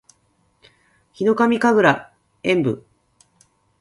ヒノカミ神楽炎舞（ひのかみかぐらえんぶ）